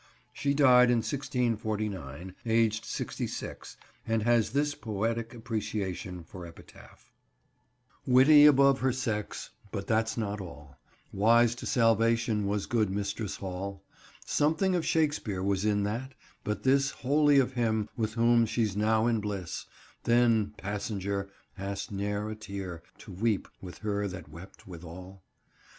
She died in 1649, aged sixty six, and has this poetic appreciation for epitaph— "Witty above her sexe, but that's not all, Wise to Salvation was good Mistris Hall, Something of Shakespeare was in that, but this Wholy of him with whom she's now in blisse, Then, Passenger, ha'st ne're a teare To weepe with her that wept with all?